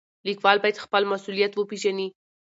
لیکوال باید خپل مسولیت وپېژني.